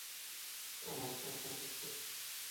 后来在家中去世。